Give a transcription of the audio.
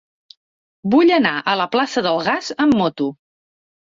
Vull anar a la plaça del Gas amb moto.